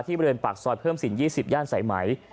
บริเวณปากซอยเพิ่มสิน๒๐ย่านสายไหม